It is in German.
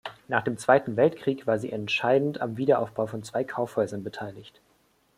Nach dem Zweiten Weltkrieg war sie entscheidend am Wiederaufbau von zwei Kaufhäusern beteiligt.